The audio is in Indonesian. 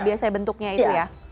biasa bentuknya itu ya